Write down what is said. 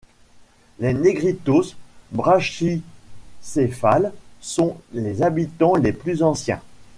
Les négritos brachycéphales sont les habitants les plus anciens.